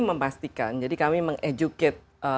memastikan jadi kami meng educate